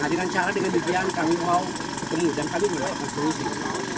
nah dengan cara dengan kebijakan kami mau dan kami mau melakukan solusi